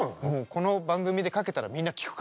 この番組でかけたらみんな聴くから。